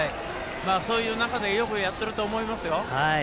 そういう中でよくやっていると思いますよ。